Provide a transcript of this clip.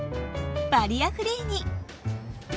バリアフリーに。